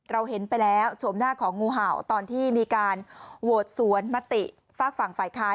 เราเห็นไปแล้วโฉมหน้าของงูเห่าตอนที่มีการโหวตสวนมติฝากฝั่งฝ่ายค้าน